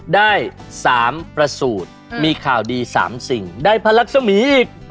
ได้๓ประสูจน์มีข่าวดี๓สิ่งได้พระรักษมีอีก